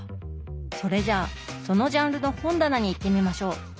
それじゃあそのジャンルの本棚に行ってみましょう。